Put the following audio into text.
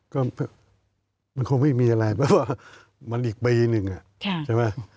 ก็มันคงไม่มีอะไรเพราะว่ามันอีกปีนึงอะ